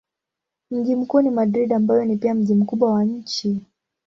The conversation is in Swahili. Mji mkuu ni Madrid ambayo ni pia mji mkubwa wa nchi.